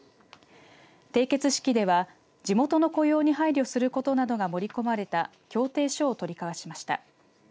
締結式では地元の雇用に配慮することなどが盛り込まれた協定書を取り交わしました。